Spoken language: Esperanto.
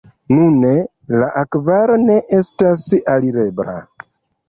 Nune la akvofalo ne estas alirebla.